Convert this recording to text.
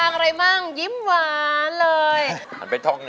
อะไรขวดเล่น